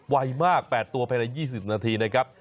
วัยมาก๘ตัวไปใน๒๐นาทีนะครับ